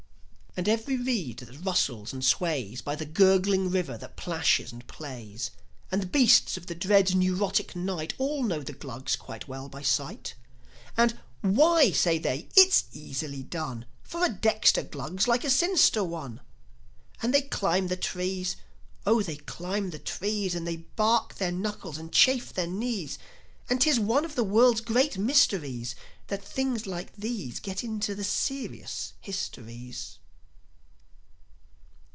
And every reed that rustles and sways By the gurgling river that plashes and plays, And the beasts of the dread, neurotic night All know the Glugs quite well by sight. And, "Why," say they; "It is easily done; For a dexter Glug's like a sinister one!" And they climb the trees. Oh, they climb the trees! And they bark their knuckles, and chafe their knees; And 'tis one of the world's great mysteries That things like these Get into the serious histories.